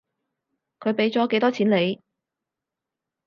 佢畀咗幾多錢你？